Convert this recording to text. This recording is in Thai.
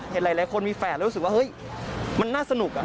หลายคนมีแฝดแล้วรู้สึกว่าเฮ้ยมันน่าสนุก